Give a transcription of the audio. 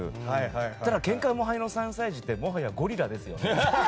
ただ、ケンカ無敗の３歳児ってもはやゴリラですよね。